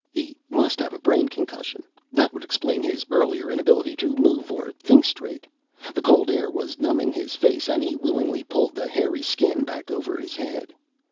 He must have a brain concussion, that would explain his earlier inability to move or think straight. The cold air was numbing his face and he willingly pulled the hairy skin back over his head.